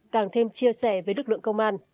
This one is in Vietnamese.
càng thêm chia sẻ với lực lượng công an